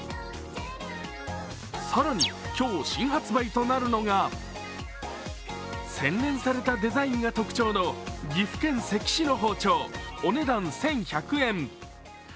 更に今日新発売となるのが洗練されたデザインが特徴の岐阜県関市の包丁お値段１１００円。